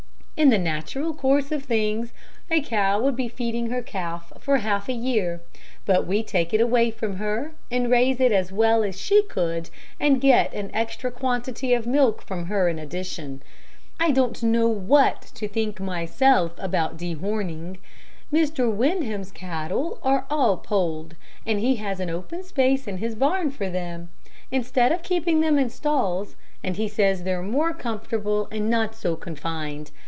In the natural course of things, a cow would be feeding her calf for half a year, but we take it away from her, and raise it as well as she could and get an extra quantity of milk from her in addition. I don't know what to think myself about dehorning. Mr. Windham's cattle are all polled, and he has an open space in his barn for them, instead of keeping them in stalls, and he says they're more comfortable and not so confined.